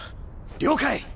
了解！